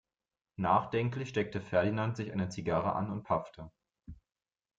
Nachdenklich steckte Ferdinand sich eine Zigarre an und paffte.